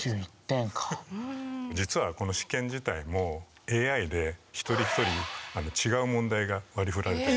実はこの試験自体もＡＩで一人一人違う問題が割りふられたり。